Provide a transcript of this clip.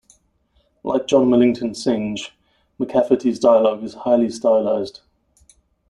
Like John Millington Synge, McCafferty's dialogue is highly stylized.